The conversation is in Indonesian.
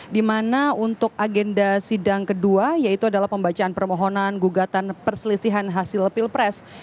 di mana untuk agenda sidang kedua yaitu adalah pembacaan permohonan gugatan perselisihan hasil pilpres